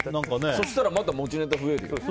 そうしたらまた持ちネタ増えるよ。